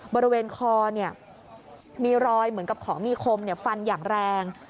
บริเวณคอมีรอยเหมือนกับของมีคมฟันอย่างแรง